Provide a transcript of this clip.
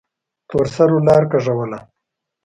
تورسرو لار کږوله.